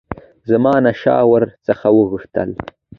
زمانشاه ور څخه وغوښتل.